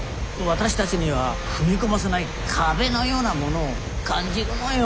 私たちには踏み込ませない壁のようなものを感じるのよ。